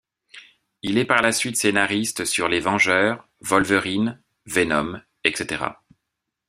Il est par la suite scénariste sur Les Vengeurs, Wolverine, Venom, etc.